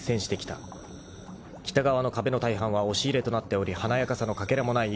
［北側の壁の大半は押し入れとなっており華やかさのかけらもない